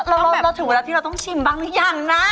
เราถึงเวลาที่เราต้องชิมบางอย่างนะ